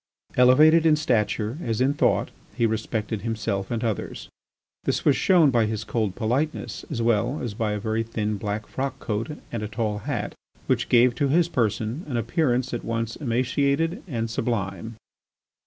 Elevated in stature as in thought he respected himself and others. This was shown by his cold politeness as well as by a very thin black frock coat and a tall hat which gave to his person an appearance at once emaciated and sublime.